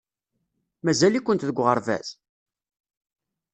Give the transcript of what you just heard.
Mazal-ikent deg uɣerbaz?